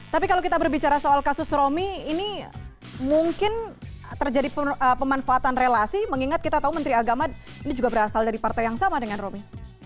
tapi kalau kita berbicara soal kasus romi ini mungkin terjadi pemanfaatan relasi mengingat kita tahu menteri agama ini juga berasal dari partai yang sama dengan romi